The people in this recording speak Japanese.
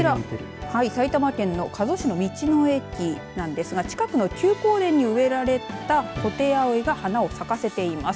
こちら、埼玉県の加須市の道の駅なんですが近くの休耕田に植えられたホテイアオイが花を咲かせています。